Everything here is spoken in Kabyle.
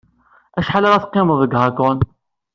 Acḥal ara teqqimeḍ deg Hakone?